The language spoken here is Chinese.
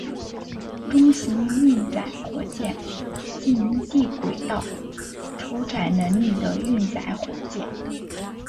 中型运载火箭近地轨道酬载能力的运载火箭。